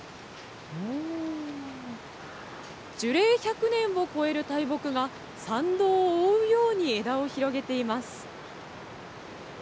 樹齢１００年を超える大木が、参道を覆うように枝を広げています。